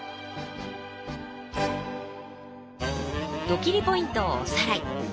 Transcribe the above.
ドキリ★ポイントをおさらい。